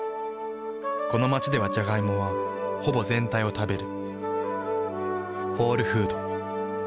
この街ではジャガイモはほぼ全体を食べる。